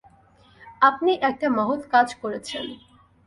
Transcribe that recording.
আপনি একটা মহৎ কাজ করেছেন।